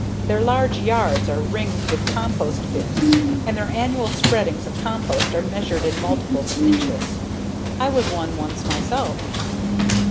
Their large yards are ringed with compost bins and their annual spreadings of compost are measured in multiples of inches. I was one once, myself.